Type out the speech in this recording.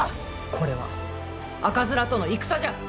これは赤面との戦じゃ。